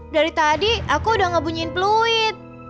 dari tadi aku udah ngebunyiin peluit